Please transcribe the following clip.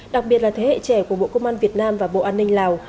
đặc biệt là thế hệ trẻ của bộ công an việt nam và bộ an ninh lào